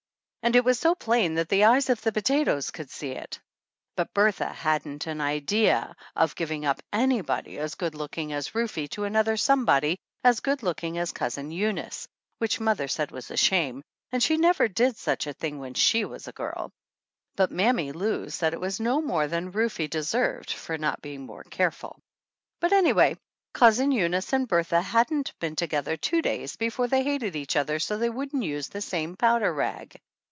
And it was so plain that the eyes of the potatoes could see it ! But Bertha hadn't an idea of giv ing up anybody as good looking as Rufe to an other somebody as good looking as Cousin Eunice, which mother said was a shame, and she never did such a thing when she was a girl ; but Mammy Lou said it was no more than Rufe de served for not being more careful. But anyway, Cousin Eunice and Bertha hadn't been together two days before they hated each other so they wouldn't use the same powder rag!